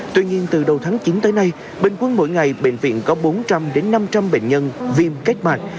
tuy nhiên từ đầu tháng chín tới nay bình quân mỗi ngày bệnh viện có bốn trăm linh năm trăm linh bệnh nhân viêm kết mạng